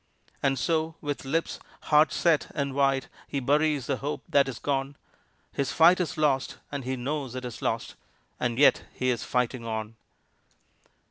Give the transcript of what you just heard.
And so, with lips hard set and white, he buries the hope that is gone, His fight is lost and he knows it is lost and yet he is fighting on.